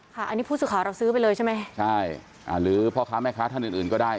ค่ะอันนี้ผู้สื่อข่าวเราซื้อไปเลยใช่ไหมใช่อ่าหรือพ่อค้าแม่ค้าท่านอื่นอื่นก็ได้